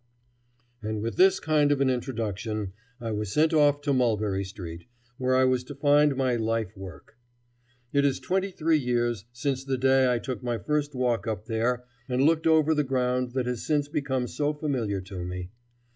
And with this kind of an introduction I was sent off to Mulberry Street, where I was to find my life work. It is twenty three years since the day I took my first walk up there and looked over the ground that has since become so familiar to me.